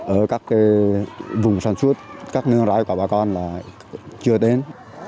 ở các vùng sản xuất các nương rái của bà con là chưa đến